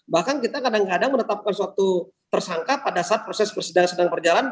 bahkan kita kadang kadang menetapkan suatu tersangka pada saat proses persidangan sedang berjalan